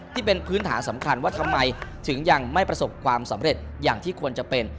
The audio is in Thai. ที่เป็นพื้นฐานสำคัญว่าทำไมถึงยังไม่ประสบความสำเร็จอย่างที่ควรจะเป็น